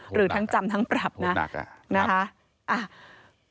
หรือทั้งจำทั้งปรับนะนะคะ